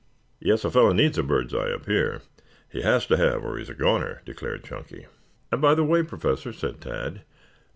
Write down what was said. "Yes, a fellow needs a bird's eye up here. He has to have or he's a goner," declared Chunky. "And by the way, Professor," said Tad.